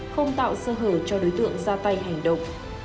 không tạo sơ hở cho đối tượng ra tay hành động